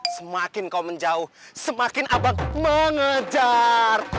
semakin kau menjauh semakin abang mengejar